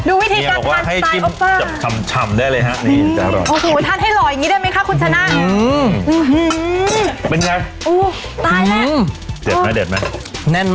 ดูวิธีการทำจัดเอาป้าให้จิ้ม